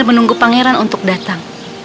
menunggu pangeran untuk datang